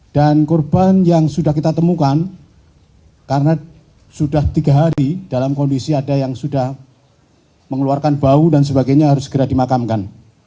dan korban yang sudah kita temukan karena sudah tiga hari dalam kondisi ada yang sudah mengeluarkan bau dan sebagainya harus segera dimakamkan